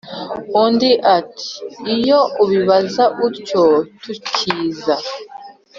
Undi ati: "Iyo ubimbaza utyo tukiza,